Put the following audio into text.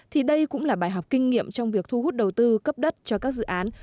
thì đây cũng là bài học kinh nghiệm trong việc thu hút đầu tư cấp đất cho các dự án